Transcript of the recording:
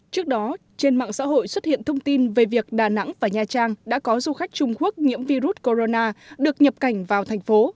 trước đó trên mạng xã hội xuất hiện thông tin về việc đà nẵng và nha trang đã có du khách trung quốc nhiễm virus corona được nhập cảnh vào thành phố